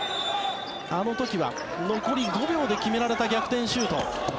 あの時は残り５秒で決められた逆転シュート。